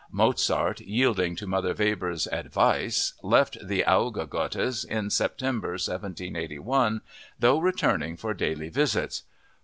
Mozart, yielding to Mother Weber's "advice," left the Auge Gottes in September 1781, though returning for daily visits.